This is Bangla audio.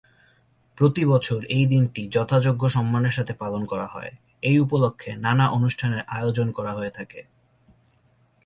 প্রতি বছর এই দিন টি যথাযোগ্য সম্মানের সাথে পালন করা হয়। এই উপলক্ষে নানা অনুষ্ঠানের আয়োজন করা হয়ে থাকে।